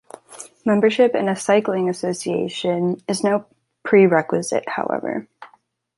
Membership in a cycling association is no prerequisite however.